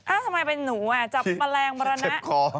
เอ้าทำไมเป็นหนูจับแมลงมะระนะเจ็บคอ